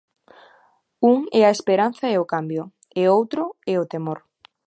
Un é a esperanza e o cambio e outro é o temor.